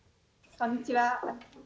こんにちは。